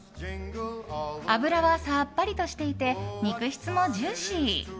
脂はさっぱりとしていて肉質もジューシー。